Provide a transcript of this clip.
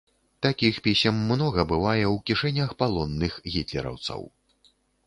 Такіх пісем многа бывае ў кішэнях палонных гітлераўцаў.